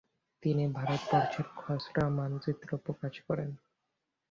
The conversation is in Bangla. তিনি ‘ভারতবর্ষের খসড়া মানচিত্র’ প্রকাশ করেন।